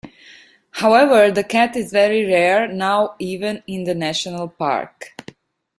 However, the cat is very rare now even in the national park.